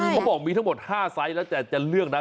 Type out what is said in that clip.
เขาบอกมีทั้งหมด๕ไซส์แล้วแต่จะเลือกนะ